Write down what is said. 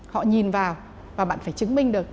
họ nhìn vào và bạn phải chứng minh được